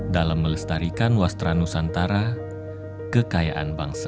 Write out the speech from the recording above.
dalam melestarikan wasra nusantara kekayaan bangsa